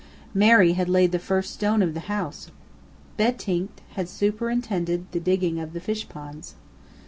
Mary had laid the first stone of the house. Bentinck had superintended the digging of the fishponds.